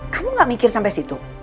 kamu gak mikir sampai situ